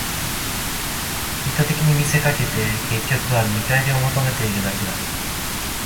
利他的に見せかけて、結局は見返りを求めているだけだ